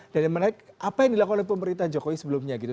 dan yang menarik apa yang dilakukan oleh pemerintah jokowi sebelumnya gitu